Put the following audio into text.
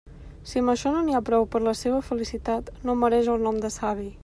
Si amb això no n'hi ha prou per a la seua felicitat, no mereix el nom de savi.